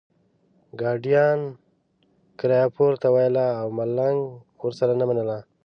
ګاډیوان کرایه پورته ویله او ملنګ ورسره نه منله.